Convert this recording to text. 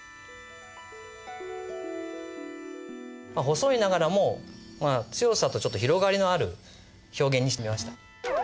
細いながらも強さと広がりのある表現にしてみました。